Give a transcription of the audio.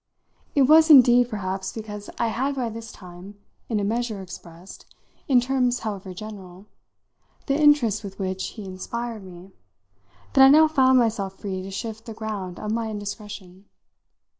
It was indeed perhaps because I had by this time in a measure expressed, in terms however general, the interest with which he inspired me, that I now found myself free to shift the ground of my indiscretion.